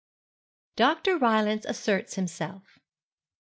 DR. RYLANCE ASSERTS HIMSELF.